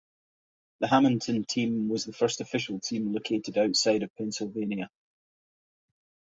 The Hammonton team was the first official team located outside of Pennsylvania.